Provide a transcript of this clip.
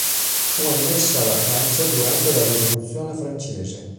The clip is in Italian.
Fu annessa alla Francia durante la Rivoluzione francese.